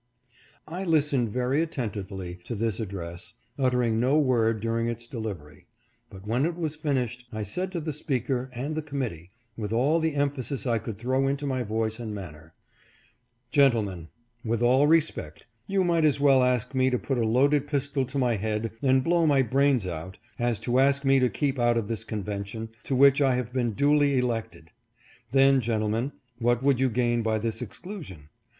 I listened very attentively to this address, uttering no word during its delivery ; but when it was finished, I said to the speaker and the committee, with all the emphasis I 474 INDEPENDENT ANSWER. could throw into my voice and manner :" Gentlemen, with all respect, you might as well ask me to put a loaded pistol to my head and blow my brains out, as to ask me to keep out of this convention, to which I have been duly elected. Then, gentlemen, what would you gain by this exclusion